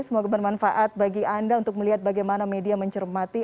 semoga bermanfaat bagi anda untuk melihat bagaimana media mencermati